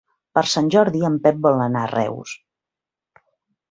Per Sant Jordi en Pep vol anar a Reus.